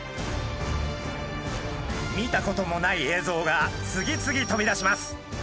見たこともない映像が次々飛び出します。